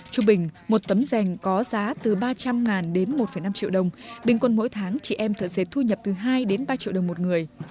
trung bình một tấm rènh có giá từ ba trăm linh đến một năm triệu đồng bình quân mỗi tháng chị em thợ dệt thu nhập từ hai đến ba triệu đồng một người